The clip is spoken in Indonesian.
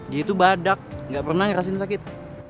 dia itu badak gak pernah ngerasain sakit